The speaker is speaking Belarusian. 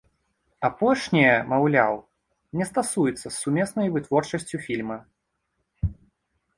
Апошняе, маўляў, не стасуецца з сумеснай вытворчасцю фільма.